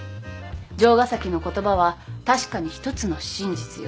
城ヶ崎の言葉は確かに一つの真実よ。